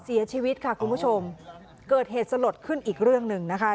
เสียชีวิตค่ะคุณผู้ชมเกิดเหตุสลดขึ้นอีกเรื่องหนึ่งนะคะ